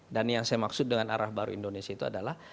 dan yang saya maksud dengan arah baru indonesia itu adalah